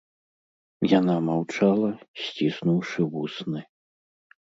Яна маўчала, сціснуўшы вусны.